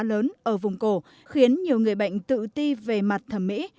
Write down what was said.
viết sẹo khá lớn ở vùng cổ khiến nhiều người bệnh tự ti về mặt thẩm mỹ